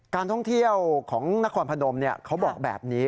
การท่องเที่ยวของนครพนมเขาบอกแบบนี้